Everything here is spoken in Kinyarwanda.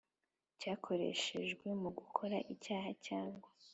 Cyakoreshejwe mu gukora icyaha cyangwa